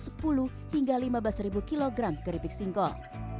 setiap lima hari sekali kripik kripiknya meningkat